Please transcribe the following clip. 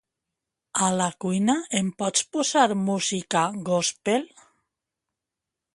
A la cuina em pots posar música gòspel?